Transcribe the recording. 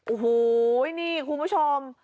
โอ้โหนี่คุณผู้ชม